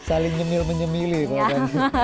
saling ngemil menyemili kalau tadi